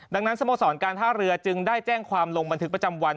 ดังนั้นสโมสรการท่าเรือจึงได้แจ้งความลงบันทึกประจำวัน